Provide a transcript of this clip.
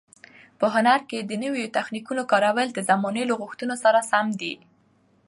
په هنر کې د نویو تخنیکونو کارول د زمانې له غوښتنو سره سم دي.